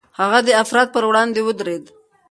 هغه د افراط پر وړاندې ودرېد.